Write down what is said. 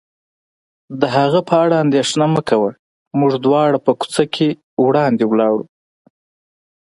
د هغه په اړه اندېښنه مه کوه، موږ دواړه په کوڅه کې وړاندې ولاړو.